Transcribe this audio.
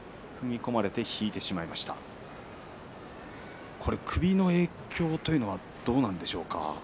これ、首の影響というのはどうなんでしょうか。